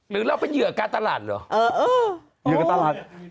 หรือเราเป็นเหยื่อกาตรรัสหรอ